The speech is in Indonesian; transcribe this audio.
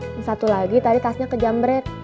yang satu lagi tadi kasnya kejam bred